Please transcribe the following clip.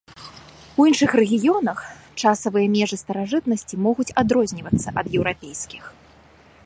У іншых рэгіёнах часавыя межы старажытнасці могуць адрознівацца ад еўрапейскіх.